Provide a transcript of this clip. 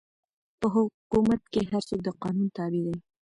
په حکومت کښي هر څوک د قانون تابع دئ.